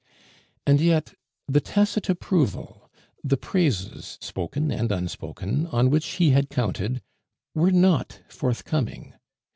And yet, the tacit approval, the praises spoken and unspoken on which he had counted, were not forthcoming.